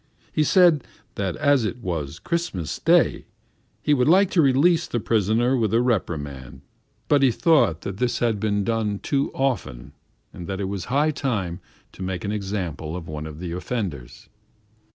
He said that as it was Christmas Day he would like to release the prisoner with a reprimand, but he thought that this had been done too often and that it was high time to make an example of one of the offenders.